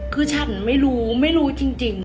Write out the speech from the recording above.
คือฉันไม่รู้ไม่รู้จริง